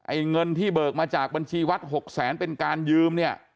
เงินที่เบิกมาจากบัญชีวัด๖แสนเป็นการยืมเนี่ย